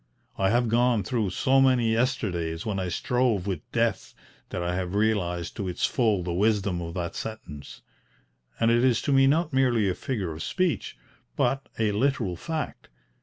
I have gone through so many yesterdays when I strove with Death that I have realised to its full the wisdom of that sentence; and it is to me not merely a figure of speech, but a literal fact.